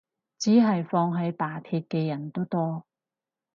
只係放棄罷鐵嘅人都多